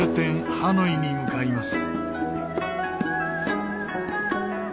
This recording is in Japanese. ハノイに向かいます。